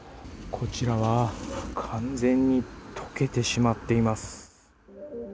こちらは完全に溶けてしまっています。